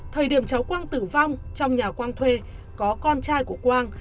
thời điểm cháu quang tử vong trong nhà quang thuê có con trai của quang